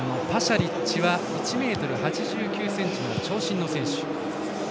リッチは１ｍ８９ｃｍの長身の選手。